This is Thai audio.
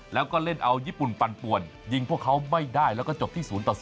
แล้วก็เล่นเอาญี่ปุ่นปั่นป่วนยิงพวกเขาไม่ได้แล้วก็จบที่๐ต่อ๐